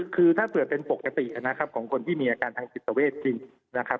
คือถ้าเผื่อเป็นปกตินะครับของคนที่มีอาการทางจิตเวทจริงนะครับ